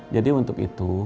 jadi untuk itu